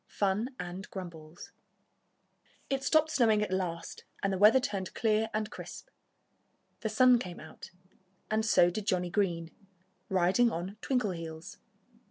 XIII FUN AND GRUMBLES It stopped snowing at last and the weather turned clear and crisp. The sun came out. And so did Johnnie Green, riding on Twinkleheels.